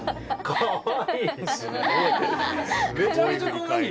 かわいい。